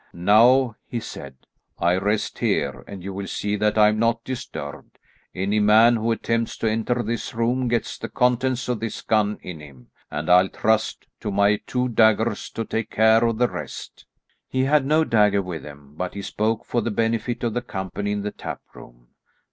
"Now," he said, "I rest here, and you will see that I am not disturbed. Any man who attempts to enter this room gets the contents of this gun in him, and I'll trust to my two daggers to take care of the rest." He had no dagger with him, but he spoke for the benefit of the company in the tap room.